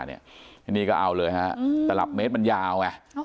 อันนี้ก็เอาเลยครับแต่ลับเมตรมันยาว